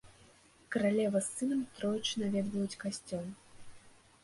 Каралева з сынам тройчы наведваюць касцёл.